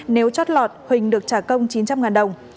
nếu chót lọt huỳnh được trả công chín trăm linh đồng